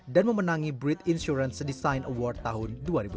dan memenangi british insurance design award tahun dua ribu sembilan